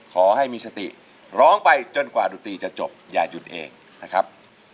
ขอให้มีสติร้องไปจนกว่าดุตรีจะจบอย่าหยุดเองนะครับ